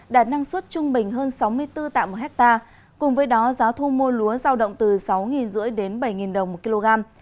đạt năng suất trung bình hơn sáu mươi bốn tạ một ha cùng với đó giá thu mua lúa giao động từ sáu năm trăm linh đến bảy đồng một kg